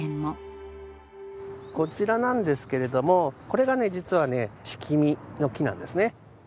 こちらなんですけれどもこれがね実はねシキミの木なんですね。